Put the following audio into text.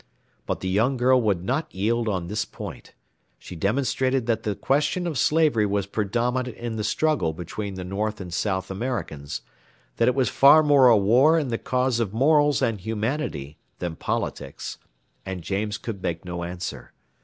But the young girl would not yield on this point; she demonstrated that the question of slavery was predominant in the struggle between the North and South Americans, that it was far more a war in the cause of morals and humanity than politics, and James could make no answer.